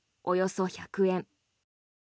およそ１００円。